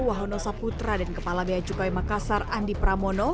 wahono saputra dan kepala bia cukai makassar andi pramono